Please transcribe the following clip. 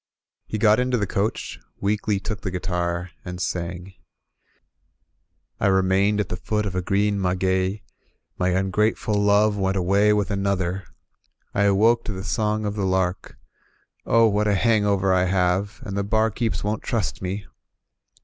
He got into the coach, weakly took the guitar, and sang: "7 remained at the foot of a green maguey My tmgrateftd love went away with another, I awoke to the song of the lark: Oh, what a hangover I have, and the barkeeps won*t trust me!